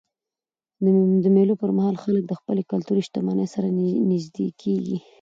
د مېلو پر مهال خلک له خپلي کلتوري شتمنۍ سره نيژدې کېږي.